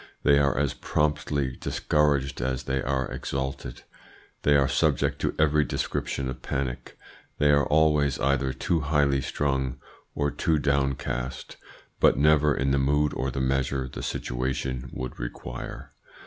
They are as promptly discouraged as they are exalted, they are subject to every description of panic, they are always either too highly strung or too downcast, but never in the mood or the measure the situation would require.